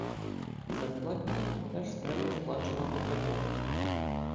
З зарплатні теж треба сплачувати податки